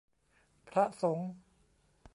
พระสงฆ์